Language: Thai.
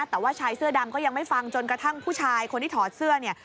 แต่ว่าชายเสื้อดำก็ยังไม่ฟังจนกระทั่งผู้ชายคนที่ถอดเสื้อเนี่ย